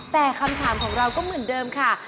แต่คำถามของเราก็เหมือนเดิมค่ะ